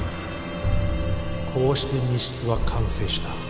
こうして密室は完成した。